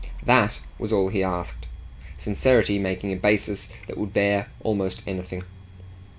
THAT was all he asked sincerity making a basis that would bear almost anything.